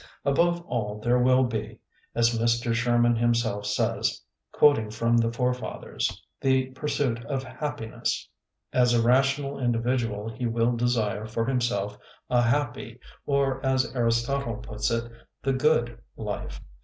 Above all there will be, as Mr. Sherman himself says, quoting from the forefathers, "the pursuit of happiness". As a ra tional individual he will desire for himself a happy, or as Aristotle puts it, the "good" life.